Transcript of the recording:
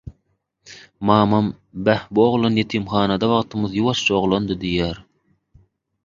Mamam "Bä bu oglan ýetimhanada wagtymyz ýuwaşja oglandy" diýýär.